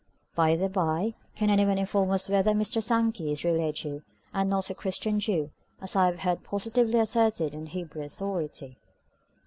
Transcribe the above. (By the bye, can anyone inform us whether Mr. Sankey is really a Jew, and not a Christian Jew, as I have heard positively asserted on Hebrew authority?)